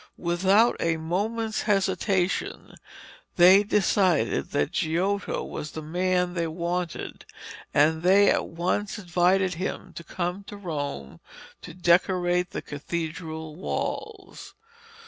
Without a moment's hesitation they decided that Giotto was the man they wanted, and they at once invited him to come to Rome to decorate the cathedral walls.